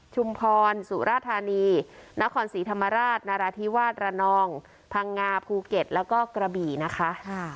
ชุมพรสุราธานีนครศรีธรรมราชนราธิวาสระนองพังงาภูเก็ตแล้วก็กระบี่นะคะ